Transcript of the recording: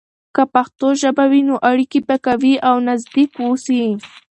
که پښتو ژبه وي، نو اړیکې به قوي او نزدیک اوسي.